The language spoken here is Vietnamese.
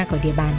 của địa bàn